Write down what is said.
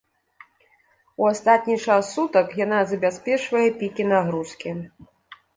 У астатні час сутак яна забяспечвае пікі нагрузкі.